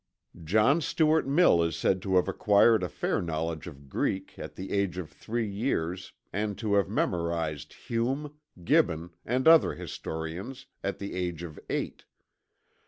John Stuart Mill is said to have acquired a fair knowledge of Greek, at the age of three years, and to have memorized Hume, Gibbon, and other historians, at the age of eight.